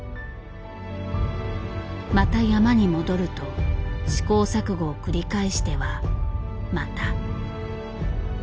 また山に戻ると試行錯誤を繰り返してはまた。